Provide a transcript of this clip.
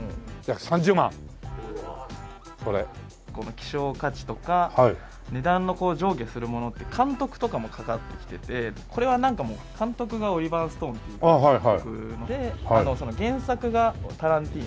希少価値とか値段の上下するものって監督とかも関わってきててこれはなんかもう監督がオリバー・ストーンっていう原作がタランティーノ。